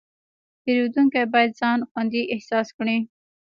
پیرودونکی باید ځان خوندي احساس کړي.